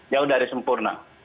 jauh dari sempurna